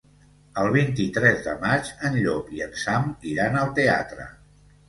El vint-i-tres de maig en Llop i en Sam iran al teatre.